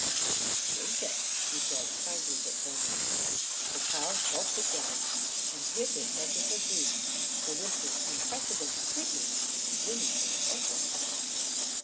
"You must drink it," she said, kindly but firmly. The child gulped it down, and with it much of her grief, for this was unprecedented treatment and was winning her attention.